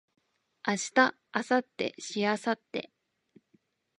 明日明後日しあさって